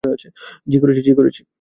জি, করেছি।